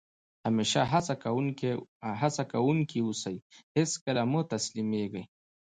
همېشه هڅه کوونکی اوسى؛ هېڅ کله مه تسلیمېږي!